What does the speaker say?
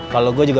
kalau gue juga